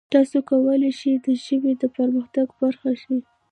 تاسو کولای شئ د ژبې د برخلیک برخه شئ.